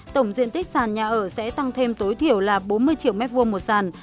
tổng diện tích sàn nhà ở sẽ tăng thêm tối thiểu là bốn mươi triệu m hai một sàn